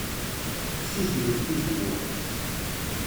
Ssizedget tizewwa.